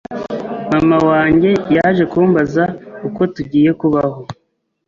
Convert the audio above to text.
Mama wanjye yaje kumbaza uko tugiye kubaho